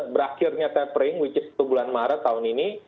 berakhirnya tapering which is itu bulan maret tahun ini